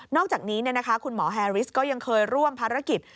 อกจากนี้คุณหมอแฮริสก็ยังเคยร่วมภารกิจ